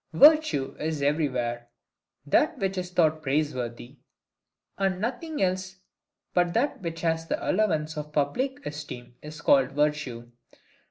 Virtue is everywhere, that which is thought praiseworthy; and nothing else but that which has the allowance of public esteem is called virtue.